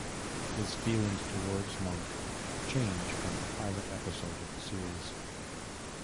His feelings towards Monk change from the pilot episode of the series.